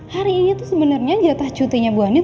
hari ini tuh sebenernya jatah cutinya bu andin